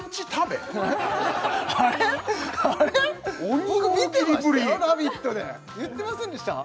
僕見てましたよ「ラヴィット！」で言ってませんでした？